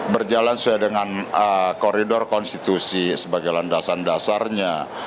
berjalan sesuai dengan koridor konstitusi sebagai landasan dasarnya